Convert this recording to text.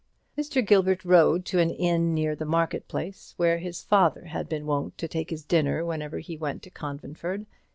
Mr. Gilbert rode to an inn near the market place, where his father had been wont to take his dinner whenever he went to Conventford.